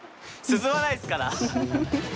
進まないですから。